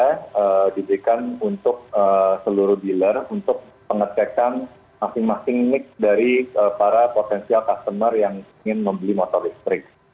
kita diberikan untuk seluruh dealer untuk pengecekan masing masing mix dari para potensial customer yang ingin membeli motor listrik